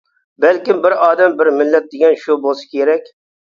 بەلكىم «بىر ئادەم بىر مىللەت» دېگەن شۇ بولسا كېرەك.